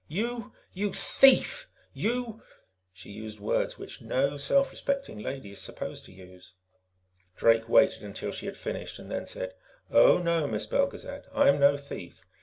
"You you thief! You " She used words which no self respecting lady is supposed to use. Drake waited until she had finished, and then said: "Oh, no, Miss Belgezad; I'm no thief.